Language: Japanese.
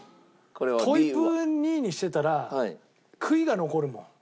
トイプー２位にしてたら悔いが残るもん。